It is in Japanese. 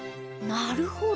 なるほど。